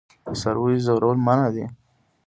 د څارویو ځورول منع دي.